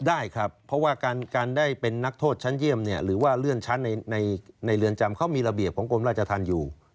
ได้ครับเพราะว่าการได้เป็นนักโทษชั้นเยี่ยมหรือว่าเลื่อนชั้นในเรือนจำเขามีระเบียบของกรมราชธรรมอยู่